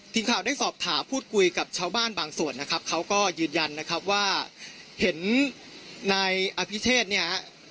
ทีมข่าวได้สอบถามพูดคุยกับชาวบ้านบางส่วนนะครับเขาก็ยืนยันนะครับว่าเห็นนายอภิเชษเนี่ย